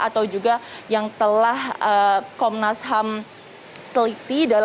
atau juga yang telah komnas ham teliti